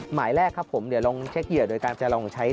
หมายแรกครับผมเดี๋ยวลองเช็คเหยื่อโดยการจะลองใช้